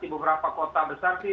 di beberapa kota besar sih